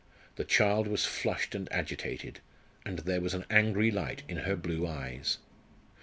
The child was flushed and agitated, and there was an angry light in her blue eyes.